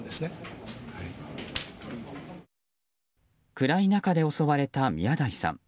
暗い中で襲われた宮台さん。